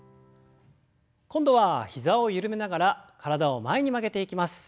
今度は膝を緩めながら体を前に曲げていきます。